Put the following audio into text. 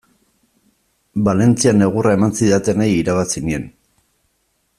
Valentzian egurra eman zidatenei irabazi nien.